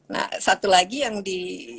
nah satu lagi yang di